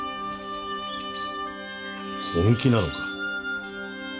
本気なのか？